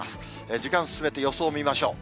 時間進めて予想を見ましょう。